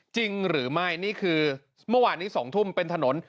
จริงหรือไม่นี่คือเมื่อวานนี้๒ทุ่มเป็นถนน